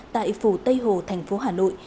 tại phủ tây hồ thành phố hà nội